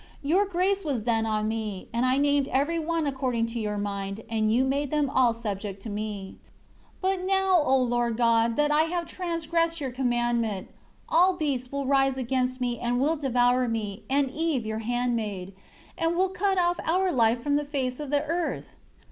4 Your grace was then on me; and I named every one according to Your mind; and you made them all subject to me. 5 But now, O Lord God, that I have transgressed Your commandment, all beasts will rise against me and will devour me, and Eve Your handmaid; and will cut off our life from the face of the earth.